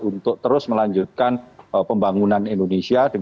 untuk terus melanjutkan pembangunan indonesia